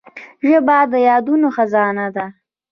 ژبه د یادونو خزانه ده